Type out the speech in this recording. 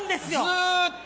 ずっと。